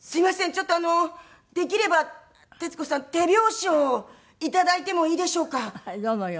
ちょっとあのできれば徹子さん手拍子を頂いてもいいでしょうか？